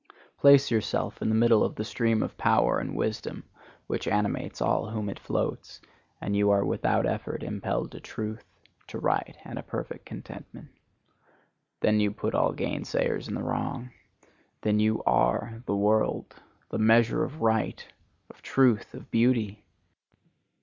Place yourself in the middle of the stream of power and wisdom which animates all whom it floats, and you are without effort impelled to truth, to right and a perfect contentment. Then you put all gainsayers in the wrong. Then you are the world, the measure of right, of truth, of beauty.